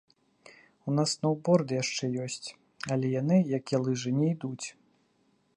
У нас сноўборды яшчэ ёсць, але яны, як і лыжы не ідуць.